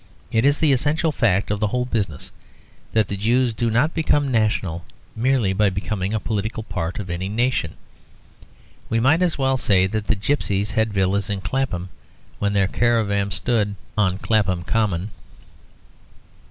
It is the essential fact of the whole business, that the Jews do not become national merely by becoming a political part of any nation. We might as well say that the gipsies had villas in Clapham, when their caravans stood on Clapham Common.